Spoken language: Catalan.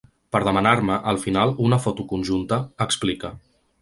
Per demanar-me, al final, una foto conjunta, explica.